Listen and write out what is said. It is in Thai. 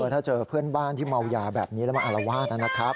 ถ้าเจอเพื่อนบ้านที่เมายาแบบนี้แล้วมาอารวาสนะครับ